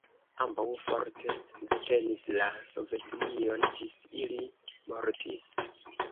Ambaŭ forte subtenis la Sovetunion, ĝis ili mortis.